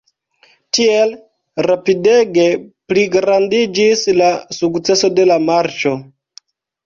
Tiel rapidege pligrandiĝis la sukceso de la marŝo.